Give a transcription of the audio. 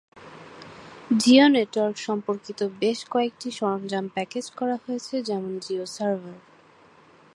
Jio network সম্পর্কিত বেশ কয়েকটি সরঞ্জাম প্যাকেজ করা হয়েছে যেমন জিও সার্ভার।